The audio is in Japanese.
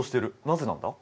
なぜなんだ？